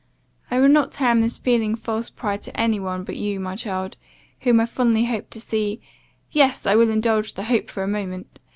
I would not term this feeling false pride to any one but you, my child, whom I fondly hope to see (yes; I will indulge the hope for a moment!)